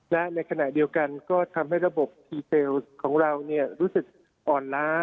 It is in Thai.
และในขณะเดียวกันก็ทำให้ระบบทีเซลของเรารู้สึกอ่อนล้า